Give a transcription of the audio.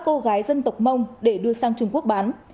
cô gái dân tộc mông để đưa sang trung quốc bán